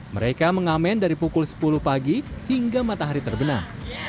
mereka mengamen dari pukul sepuluh pagi hingga matahari terbenah